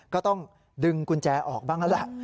ก็ต้องดึงกุญแจออกบ้างนั่นแหละ